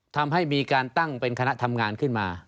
ทำให้มีการตั้งเป็นคณะทำงานขึ้นมา